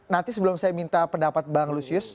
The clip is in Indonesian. nanti sebelum saya minta pendapat bang lusius